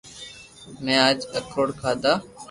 مي اج اکروڌ کادا